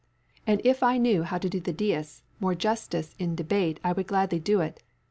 And if I knew how to do the deists more justice in debate I would gladly do it .